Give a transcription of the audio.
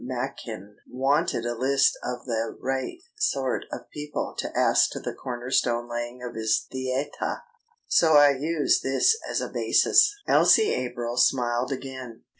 Machin wanted a list of the raight sort of people to ask to the corner stone laying of his theatah. So I used this as a basis." Elsie April smiled again.